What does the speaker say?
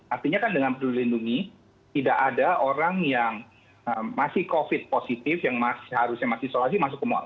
artinya kan dengan peduli lindungi tidak ada orang yang masih covid positif yang seharusnya masih isolasi masuk ke mall